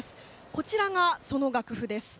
こちらが、その楽譜です。